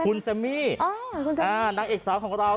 คุณแซมมี่นางเอกสาวของเรา